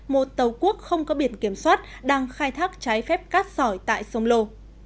một tàu quốc không có biển kiểm soát đang khai thác trái phép cát sỏi tại sông lô